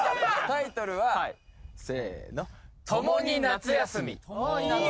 タイトルはせのああ共に夏休み？